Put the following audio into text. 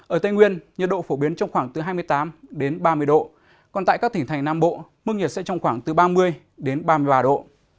ở tây nguyên nhiệt độ phổ biến trong khoảng từ hai mươi tám đến ba mươi độ còn tại các tỉnh thành nam bộ mức nhiệt sẽ trong khoảng từ ba mươi đến ba mươi ba độ